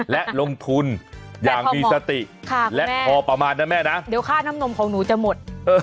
และลงทุนอย่างมีสติและพอประมาณนะแม่นะเดี๋ยวค่าน้ำนมของหนูจะหมด